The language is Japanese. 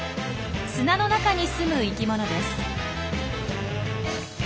砂の中にすむ生きものです。